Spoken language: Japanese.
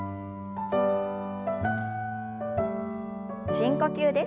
深呼吸です。